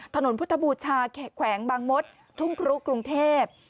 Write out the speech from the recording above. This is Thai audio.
ถนนพุทธบูชาแขวงบางมดทุ่งครุกรุงเทพ